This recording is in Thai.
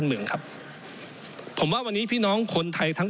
เขาทะเลาะกับ้าง